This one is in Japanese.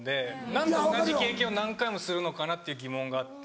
何で同じ経験を何回もするのかなっていう疑問があって。